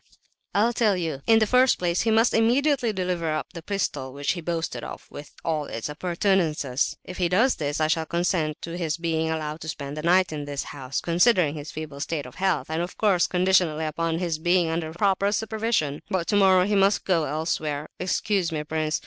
"I'll tell you. In the first place he must immediately deliver up the pistol which he boasted of, with all its appurtenances. If he does this I shall consent to his being allowed to spend the night in this house—considering his feeble state of health, and of course conditionally upon his being under proper supervision. But tomorrow he must go elsewhere. Excuse me, prince!